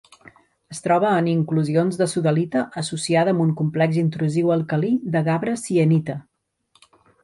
Es troba en inclusions de sodalita associada amb un complex intrusiu alcalí de gabre-sienita.